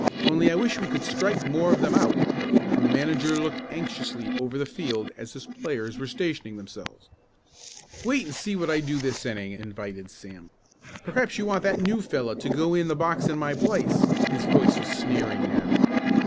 Only I wish we could strike more of them out," and the manager looked anxiously over the field as his players were stationing themselves. "Wait and see what I do this inning," invited Sam. "Perhaps you want that new fellow to go in the box in my place." His voice was sneering now.